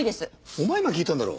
お前が聞いたんだろう。